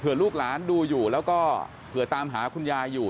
ลูกหลานดูอยู่แล้วก็เผื่อตามหาคุณยายอยู่